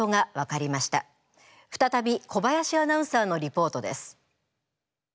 再び小林アナウンサーのリポートです。